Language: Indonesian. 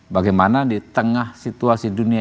bagaimana di tengah situasi dunia